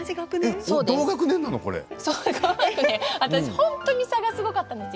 本当に差がすごかったんですよ。